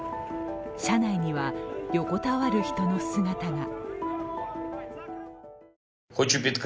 車内には横たわる人の姿が。